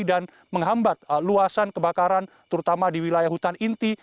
dan menghambat luasan kebakaran terutama di wilayah hutan inti